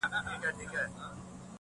چي عادت وي چا اخیستی په شیدو کي-